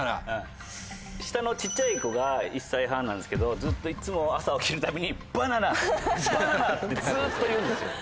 下の小っちゃい子が１歳半なんですけどずっといつも朝起きるたびに。ってずっと言うんですよ。